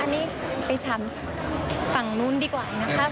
อันนี้ไปถามฝั่งนู้นดีกว่านะคะ